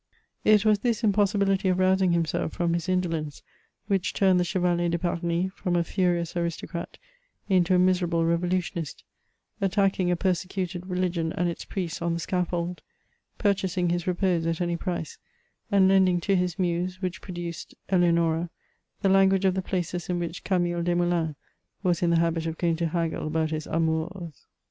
It was this impossibility of rousing himself from his indo lence, which turned the Chevalier de Pamy from a furious aristocrat into a miserable revolutionist, attacking a perse cuted religion and its priests on the scaffold, purchasing his reppse at any price, and lending to his muse, which produced Eleonora, the language of the places in which Canulle Desmoulins was in the habit of going to haggle about his amours.